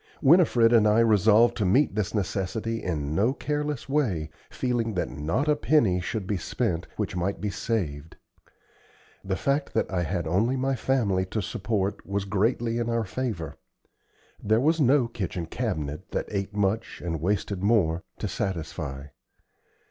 Winifred and I resolved to meet this necessity in no careless way, feeling that not a penny should be spent which might be saved. The fact that I had only my family to support was greatly in our favor. There was no kitchen cabinet, that ate much and wasted more, to satisfy.